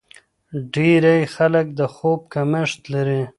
ډېری خلک د خوب کمښت لري.